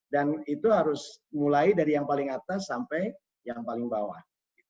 dan itu harus mulai dari yang paling atas sampai yang paling bawah